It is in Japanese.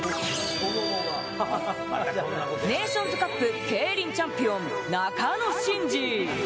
ネーションズカップ、ケイリンチャンピオン・中野慎詞。